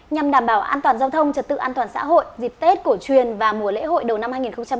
nhằm đảm bảo an toàn giao thông trật tự an toàn xã hội dịp tết cổ truyền và mùa lễ hội đầu năm hai nghìn hai mươi